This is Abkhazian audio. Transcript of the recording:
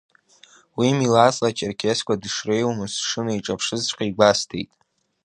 Уи милаҭла ачерқьесқәа дышреиуамыз сшынаиҿаԥшызҵәҟьа игәасҭеит.